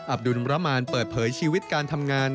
ดุลรามานเปิดเผยชีวิตการทำงาน